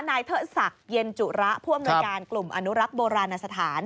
เทิดศักดิ์เย็นจุระผู้อำนวยการกลุ่มอนุรักษ์โบราณสถาน